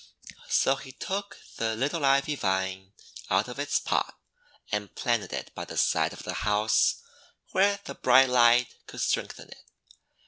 So he took the little Ivy vine out of its pot, and planted it by the side of the House where the bright light could strengthen it.